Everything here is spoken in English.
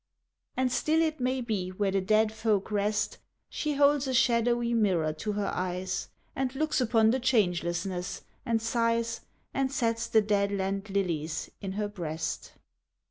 And still it may be where the dead folk rest She holds a shadowy mirror to her eyes, And looks upon the changelessness, and sighs And sets the dead land lilies in her breast.